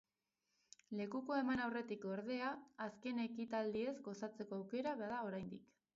Lekukoa eman aurretik, ordea, azken ekitaldiez gozatzeko aukera bada oraindik.